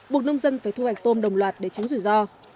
buộc nông dân phải thu hoạch tôm đồng loạt để tránh rủi ro